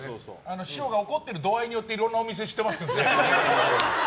師匠の怒っている度合いによっていろんなお店知ってますんで。